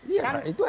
iya kan itu aja